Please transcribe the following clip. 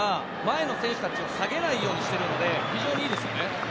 彼らが下げないようにしているので、非常にいいですよね。